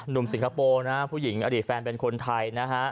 นุ่มสิงคโปร์ผู้หญิงอดีตแฟนเป็นคนไทย